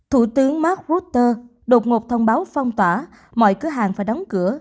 thủ tướng mark rutte đột ngột thông báo phong tỏa mọi cửa hàng phải đóng cửa